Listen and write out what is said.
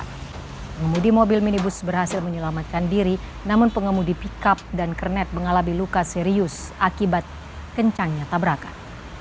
pengemudi mobil minibus berhasil menyelamatkan diri namun pengemudi pickup dan kernet mengalami luka serius akibat kencangnya tabrakan